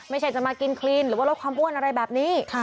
ไม่ใช่จะมากินคลีนหรือว่าลดความอ้วนอะไรแบบนี้